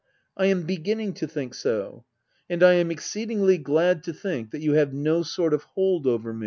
I am beginning to think so. And I am exceed ingly glad to think — that you have no sort of hold over me.